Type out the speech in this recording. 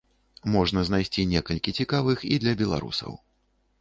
Можна знайсці некалькі цікавых і для беларусаў.